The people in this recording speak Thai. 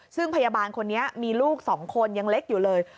ซึ่งพยาบาลคนนี้มีลูก๒คนยังเล็กอยู่เลย